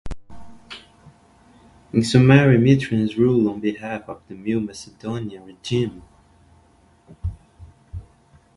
In summary, Mithrenes ruled on behalf of the new Macedonian regime.